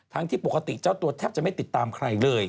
ที่ปกติเจ้าตัวแทบจะไม่ติดตามใครเลย